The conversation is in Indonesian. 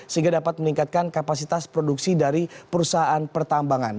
sehingga dapat meningkatkan kapasitas produksi dari perusahaan pertambangan